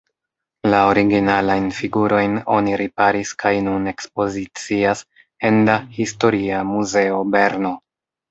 La originalajn figurojn oni riparis kaj nun ekspozicias en la historia muzeo Berno.